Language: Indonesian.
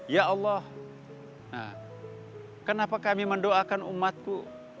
ya allah kenapa kami mendoakan umatku